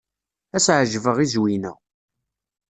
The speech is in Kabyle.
Ad as-ɛejbeɣ i Zwina.